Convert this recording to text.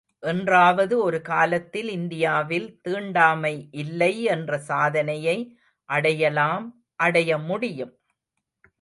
என்றாவது ஒரு காலத்தில் இந்தியாவில் தீண்டாமை இல்லை என்ற சாதனையை அடையலாம் அடையமுடியும்.